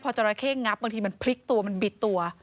จราเข้งับบางทีมันพลิกตัวมันบิดตัว